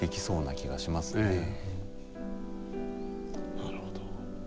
なるほど。